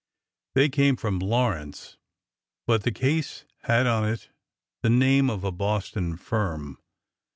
'' They came from Lawrence, but the case had on it the name of a Boston firm.